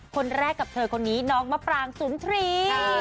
คนแรกกับเธอคนนี้น้องมะปรางสุนทรี